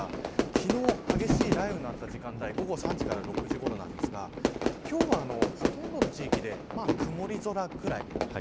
昨日の激しい雷雨のあった時間帯午後３時から６時ごろなんですが今日はほとんどの地域で曇り空くらい。